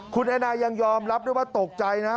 คุณแอน่ายังยอมรับด้วยว่าตกใจนะ